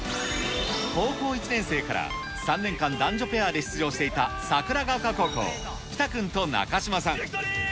高校１年生から３年間男女ペアで出場していた桜丘高校、木多君と中島さん。